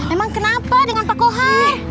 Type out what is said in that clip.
emang kenapa dengan pak koha